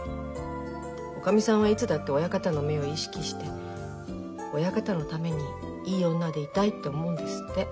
おかみさんはいつだって親方の目を意識して親方のためにいい女でいたいって思うんですって。